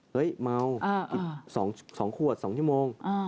เฮ้ยเมา๒ขวด๒ชั่วโมง